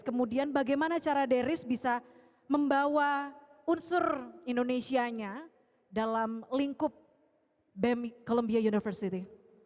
kemudian bagaimana cara deris bisa membawa unsur indonesianya dalam lingkup bem columbia university